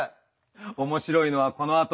面白いのはこのあと。